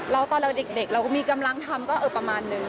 แล้วตอนเราเด็กเรามีกำลังทำก็ประมาณนึง